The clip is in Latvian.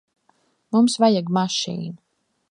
Mums vajag mašīnu.